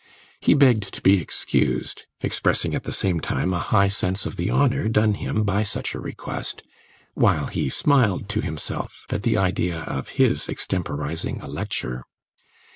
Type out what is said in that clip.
He begged to be excused, expressing at the same time a high sense of the honour done him by such a request, while he smiled to himself at the idea of his extemporising a lecture.